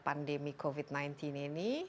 pandemi covid sembilan belas ini